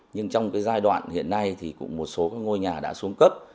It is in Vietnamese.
nhưng trong cái giai đoạn hiện nay thì cũng một số ngôi nhà đã xuống cấp